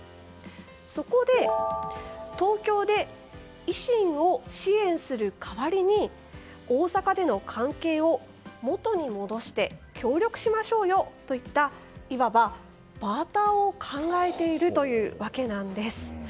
そこで東京で維新を支援する代わりに大阪での関係を元に戻して協力しましょうよといったいわばバーターを考えているというわけなんです。